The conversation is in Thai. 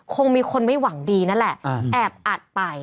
คงมีคนไม่หวังดีนั่นแหละแอบอัดไป